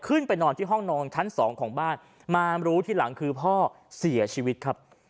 ขึ้นไปนอนที่ห้องนอนชั้นสองของบ้านมารู้ทีหลังคือพ่อเสียชีวิตครับ